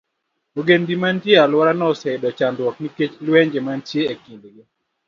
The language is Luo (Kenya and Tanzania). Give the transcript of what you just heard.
Ogendini manie alworano oseyudo chandruok nikech lwenje mantie e kindgi.